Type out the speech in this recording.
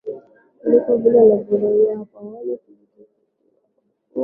kuliko vile ilivyodhaniwa hapo awali Hatukujikwaa tu